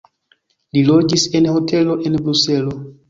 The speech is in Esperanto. Li loĝis en hotelo en Bruselo.